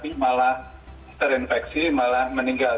juga nanti malah terinfeksi malah meninggal